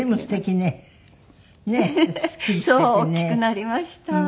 大きくなりました。